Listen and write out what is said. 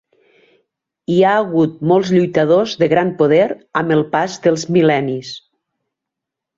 Hi ha hagut molts lluitadors de gran poder amb el pas dels mil·lennis.